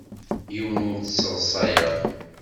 Yiwen ur t-sseḍsayeɣ.